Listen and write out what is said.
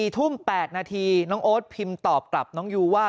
๔ทุ่ม๘นาทีน้องโอ๊ตพิมพ์ตอบกลับน้องยูว่า